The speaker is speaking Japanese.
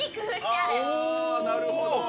◆あ、なるほど。